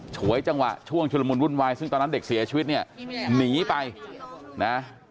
ฉวยจังหวะช่วงชุลมุนวุ่นวายซึ่งตอนนั้นเด็กเสียชีวิตเนี่ยหนีไปนะ